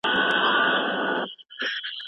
کیمیا ګرې ته سرود